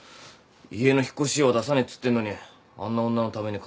家の引っ越し費用は出さねえっつってんのにあんな女のために金まで使ってさ